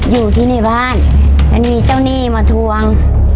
อยู่ที่ในบ้านมันมีเจ้าหนี้มาทวง